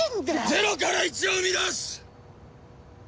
０から１を生み出す！